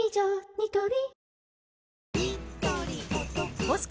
ニトリ